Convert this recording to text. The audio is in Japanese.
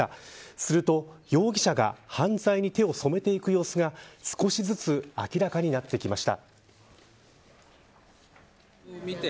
すると容疑者が犯罪に手を染めていく様子が少しずつ明らかになってきました。